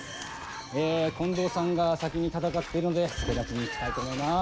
え近藤さんが先に戦ってるので助太刀に行きたいと思います。